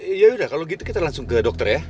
yaudah kalau gitu kita langsung ke dokter ya